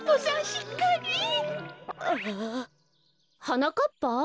はなかっぱ？